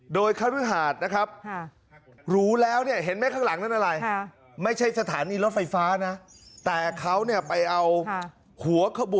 โดยเค้ารุหาดนะครับ